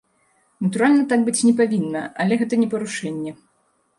Натуральна, так быць не павінна, але гэта не парушэнне.